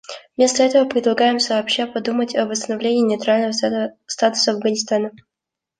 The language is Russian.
Вместо этого, предлагаем сообща подумать о восстановлении нейтрального статуса Афганистана.